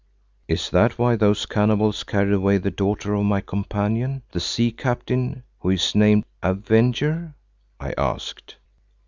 "Is that why those cannibals carried away the daughter of my companion, the Sea Captain who is named Avenger?" I asked.